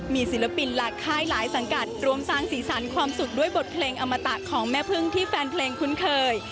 มีศิลปินหลากค่ายหลายสังกัดรวมสร้างสีสันความสุขด้วยบทเพลงอมตะของแม่พึ่งที่แฟนเพลงคุ้นเคย